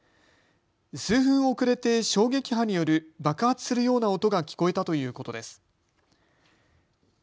数分遅れて衝撃波による爆発するような音が聞こえたということです。